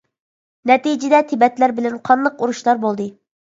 نەتىجىدە تىبەتلەر بىلەن قانلىق ئۇرۇشلار بولدى.